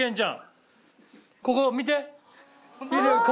ここ見て！